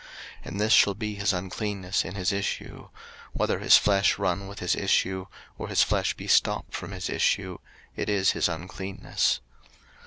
03:015:003 And this shall be his uncleanness in his issue: whether his flesh run with his issue, or his flesh be stopped from his issue, it is his uncleanness.